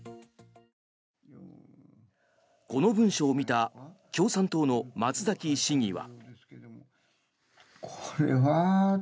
この文書を見た共産党の松崎市議は。